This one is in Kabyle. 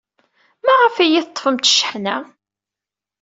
Maɣef ay iyi-teḍḍfemt cceḥna?